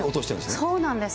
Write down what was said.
そうなんですよ。